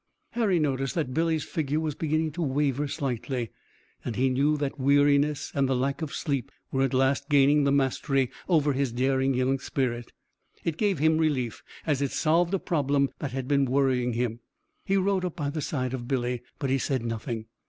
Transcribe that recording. Harry noticed that Billy's figure was beginning to waver slightly, and he knew that weariness and the lack of sleep were at last gaining the mastery over his daring young spirit. It gave him relief, as it solved a problem that had been worrying him. He rode up by the side of Billy, but he said nothing.